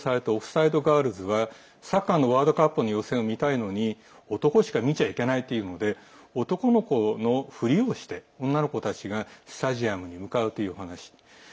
発表された「オフサイド・ガールズ」はサッカーワールドカップの予選を見たいのに男しか見ちゃいけないというので男の子のふりをして女の子たちがスタジアムに向かうというお話。